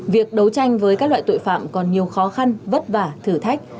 việc đấu tranh với các loại tội phạm còn nhiều khó khăn vất vả thử thách